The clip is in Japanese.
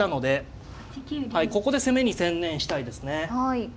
はいここで攻めに専念したいですね。